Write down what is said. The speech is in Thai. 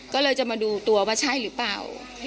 ก็เลยจะมาดูตัวว่าใช่หรือเปล่า